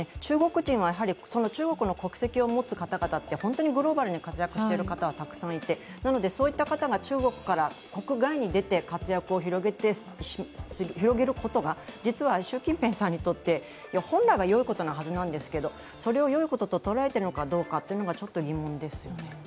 中国の国籍を持つ方々は本当にグローバルな活躍している方がたくさんいて、そういった方が中国から国外に出て活躍を広げることが実は習近平さんにとって本来はよいことなはずなんですけれども、それをよいことと捉えているかどうかがちょっと疑問ですよね。